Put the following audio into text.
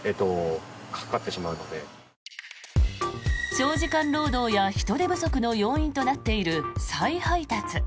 長時間労働や人手不足の要因となっている再配達。